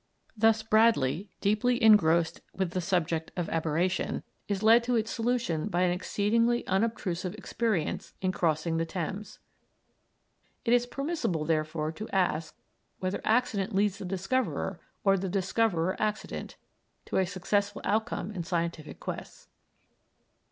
Thus Bradley, deeply engrossed with the subject of aberration, is led to its solution by an exceedingly unobtrusive experience in crossing the Thames. It is permissible, therefore, to ask whether accident leads the discoverer, or the discoverer accident, to a successful outcome in scientific quests.